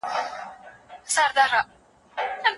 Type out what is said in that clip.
ولي زیارکښ کس د تکړه سړي په پرتله ژر بریالی کېږي؟